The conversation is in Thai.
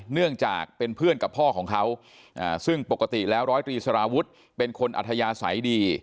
เนื่องจากเป็นเพื่อนกับพ่อของเขาซึ่งปกติแล้วร้อยตรีสารวุฒิเป็นคนอัธยาศัยดี